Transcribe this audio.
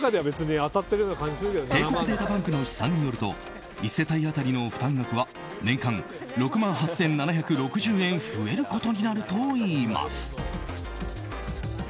帝国データバンクの試算によると１世帯当たりの負担額は年間６万８７６０円増えることになるといいます。